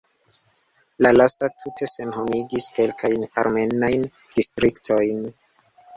La lasta tute senhomigis kelkajn armenajn distriktojn.